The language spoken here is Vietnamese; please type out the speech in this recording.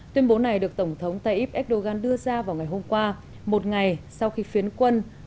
tuyên bố này được tổng thống tayyip erdogan đưa ra vào ngày hôm qua một ngày sau khi phiến quân